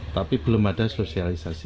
tapi belum ada sosialisasi